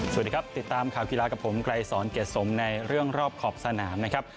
สวัสดีครับติดตามข่าวกีฬากับผมไกรสอนเกรดสมในเรื่องรอบขอบสนามนะครับ